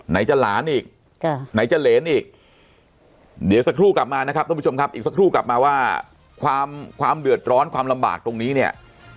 จะหลานอีกไหนจะเหรนอีกเดี๋ยวสักครู่กลับมานะครับท่านผู้ชมครับอีกสักครู่กลับมาว่าความความเดือดร้อนความลำบากตรงนี้เนี่ย